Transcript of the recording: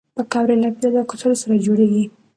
پکورې له پیازو او کچالو سره جوړېږي